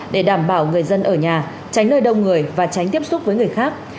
để đảm bảo người dân ở nhà tránh nơi đông người và tránh tiếp xúc với người khác